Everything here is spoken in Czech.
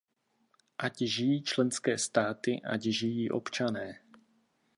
Ať žijí členské státy, ať žijí občané!